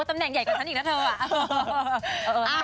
ตำแหน่งใหญ่กว่าฉันอีกนะเธอ